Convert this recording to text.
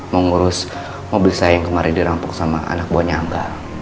mengurus mobil saya yang kemarin dirampok sama anak buahnya angga